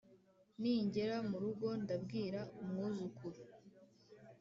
ningera mu rugo ndabwira umwuzukuru